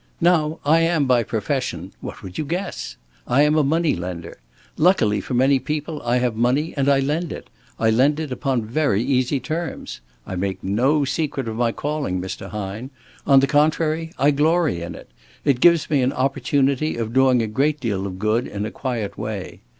"Now I am by profession what would you guess? I am a money lender. Luckily for many people I have money, and I lend it I lend it upon very easy terms. I make no secret of my calling, Mr. Hine. On the contrary, I glory in it. It gives me an opportunity of doing a great deal of good in a quiet way.